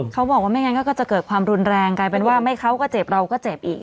เขาบอกว่าไม่งั้นก็จะเกิดความรุนแรงกลายเป็นว่าไม่เขาก็เจ็บเราก็เจ็บอีก